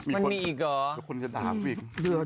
มันมีอีกหรอ